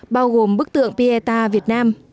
bao gồm bức tượng pieta việt nam